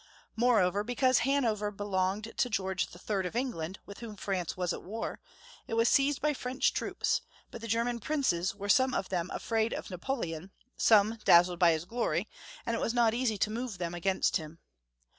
Moreover, because Hanover belonged to George III. » of England, with whom France was at war, it was seized by French troops, but the German princes were some of them afraid of Napoleon, some daz zled by his glory, and it was not easy to move them against him.